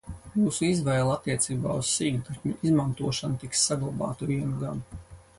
Jūsu izvēle attiecībā uz sīkdatņu izmantošanu tiks saglabāta vienu gadu.